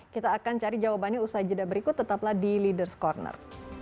kita akan cari jawabannya usai jeda berikut tetaplah di leaders' corner